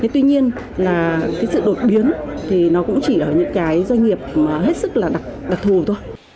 tuy nhiên sự đột biến cũng chỉ ở những doanh nghiệp hết sức đặc thù thôi